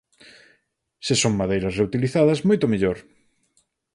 Se son madeiras reutilizadas, moito mellor.